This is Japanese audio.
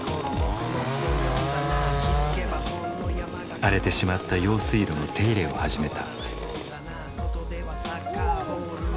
荒れてしまった用水路の手入れを始めた。